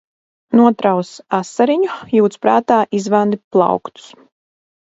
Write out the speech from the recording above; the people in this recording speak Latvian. Notraus asariņu. Jūc prātā. Izvandi plauktus!